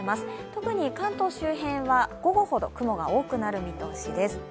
特に関東周辺は午後ほど雲が多くなる見通しです。